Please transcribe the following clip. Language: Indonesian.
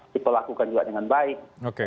dipelakukan juga dengan baik